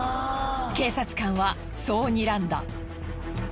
警察官はそうにらんだ。